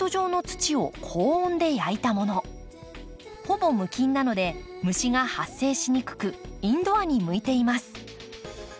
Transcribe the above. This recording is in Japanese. ほぼ無菌なので虫が発生しにくくインドアに向いています。